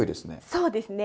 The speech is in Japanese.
そうですね。